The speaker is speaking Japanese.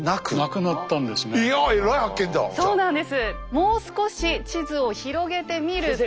もう少し地図を広げてみると。